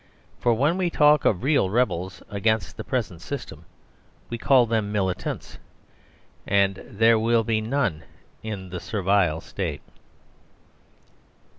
For when we talk of real rebels against the present system we call them Militants. And there will be none in the Servile State.